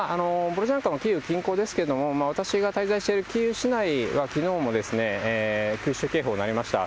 ボロジャンカもキーウ近郊ですけれども、私が滞在しているキーウ市内は、きのうも空襲警報鳴りました。